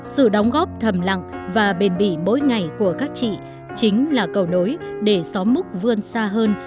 sự đóng góp thầm lặng và bền bỉ mỗi ngày của các chị chính là cầu nối để xóm múc vươn xa hơn